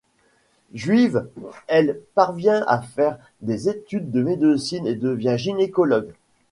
Juive, elle parvient à faire des études de médecine et devient gynécologue.